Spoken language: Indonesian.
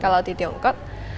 kalau di tiongkok